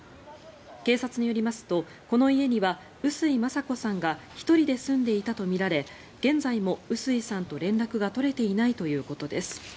警察によりますとこの家には碓井雅子さんが１人で住んでいたとみられ現在も碓井さんと連絡が取れていないということです。